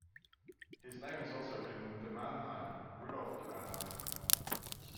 His name is also written de Mannheim - Rudolph de Mannheim.